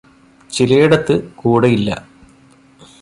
ചിലേടത്ത് കൂടെയില്ല.